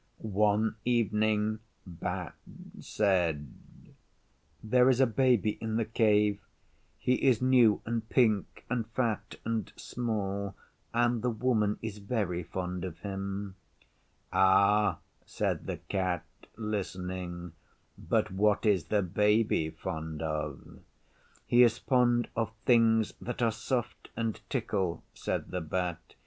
One evening Bat said, 'There is a Baby in the Cave. He is new and pink and fat and small, and the Woman is very fond of him.' 'Ah,' said the Cat, listening, 'but what is the Baby fond of?' 'He is fond of things that are soft and tickle,' said the Bat.